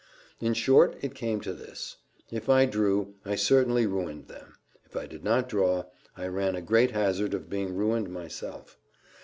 In short, it came to this: if I drew, I certainly ruined them; if I did not draw, I ran a great hazard of being ruined myself.